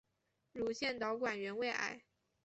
乳腺导管原位癌。